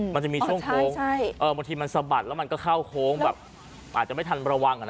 บางทีมันสะบัดแล้วมันก็เข้าโค้งอาจจะไม่ทันระวัง